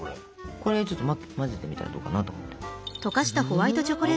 これちょっと混ぜてみたらどうかなと思って。